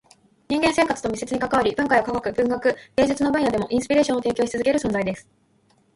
人間の生活と密接に関わり、文化や科学、文学、芸術の分野でもインスピレーションを提供し続ける存在です。